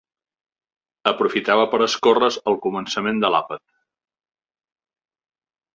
Aprofitava per escorre's el començament de l'àpat